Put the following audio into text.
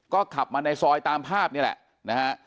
ก็ขับมาในซอยตามภาพนี่แหละนะฮะ